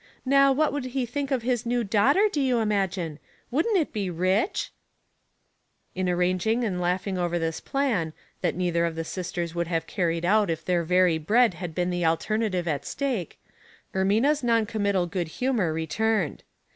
Now, what would he think of his new daughter, do you imagine ? Wouldn't it be rich ?" In arranging and laughing over this plan, that neither of the sisters would have carried out if their very bread had been the alternative at stake, Ermina's non committal good humor re turned.